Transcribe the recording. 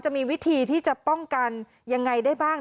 จะมีวิธีที่จะป้องกันยังไงได้บ้าง